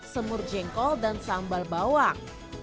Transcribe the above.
semur jengkol dan sambal bawang